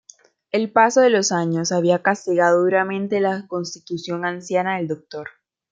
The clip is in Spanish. El paso de los años había castigado duramente la constitución anciana del Doctor.